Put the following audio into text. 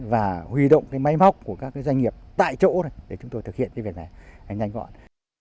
và huy động cái máy móc của các doanh nghiệp tại chỗ để chúng tôi thực hiện cái việc này nhanh gọn